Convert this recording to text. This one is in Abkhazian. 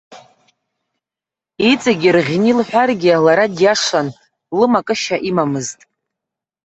Иҵегьы ираӷьны илҳәаргьы, лара диашан, лымакышьа имамызт.